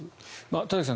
田崎さん